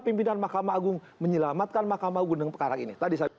pimpinan mahkamah agung menyelamatkan mahkamah agung dengan perkara ini